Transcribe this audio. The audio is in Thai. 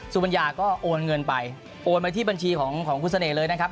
สุบัญญาก็โอนเงินไปโอนไปที่บัญชีของคุณเสน่ห์เลยนะครับ